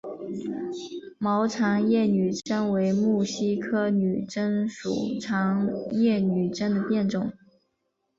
毛长叶女贞为木犀科女贞属长叶女贞的变种。